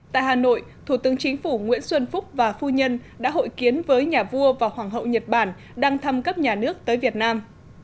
tại hà nội thủ tướng chính phủ nguyễn xuân phúc và phu nhân đã hội kiến với nhà vua và hoàng hậu nhật bản đang thăm cấp nhà nước tới việt nam